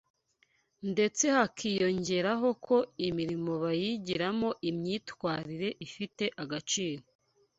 ndetse hakiyongeraho ko imirimo bayigiramo imyitwarire ifite agaciro